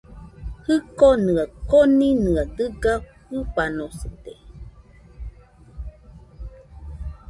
Jikonɨa koninɨaɨ dɨga jɨfanosɨde